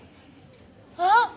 あっ！